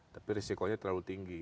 tapi risikonya terlalu tinggi